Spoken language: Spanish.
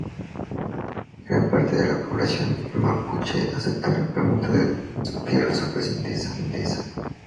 Gran parte de la población mapuche aceptó la permuta de tierras ofrecida por Endesa.